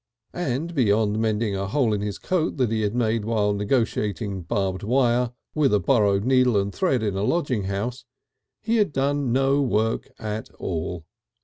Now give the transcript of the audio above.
And beyond mending a hole in his coat that he had made while negotiating barbed wire, with a borrowed needle and thread in a lodging house, he had done no work at all.